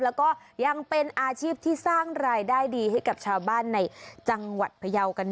แล้วก็ยังเป็นอาชีพที่สร้างรายได้ดีให้กับชาวบ้านในจังหวัดพยาวกัน